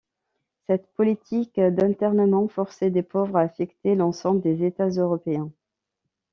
Cette politique d'internement forcé des pauvres a affecté l'ensemble des États européens.